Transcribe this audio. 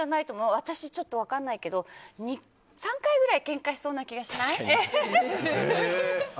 私、分からないけど３回くらいけんかしそうな気がしない？